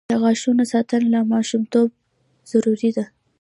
د غاښونو ساتنه له ماشومتوبه ضروري ده.